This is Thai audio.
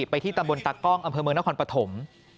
ไปที่ตำบลตากล้องอำเภอเมืองนครปฐม